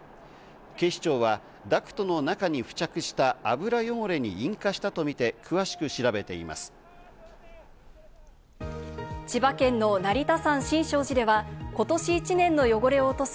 警視庁はダクトの中に付着した油汚れに引火したとみて、詳しく調べています。